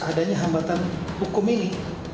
ada hambatan hukum ini